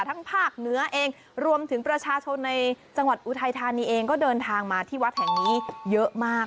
ภาคเหนือเองรวมถึงประชาชนในจังหวัดอุทัยธานีเองก็เดินทางมาที่วัดแห่งนี้เยอะมาก